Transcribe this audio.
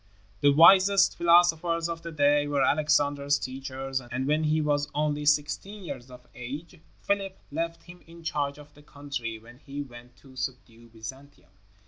The wisest philosophers of the day were Alexander's teachers, and when he was only sixteen years of age, Philip left him in charge of the country when he went to subdue Byzantium.